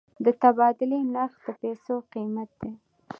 د تبادلې نرخ د پیسو قیمت دی.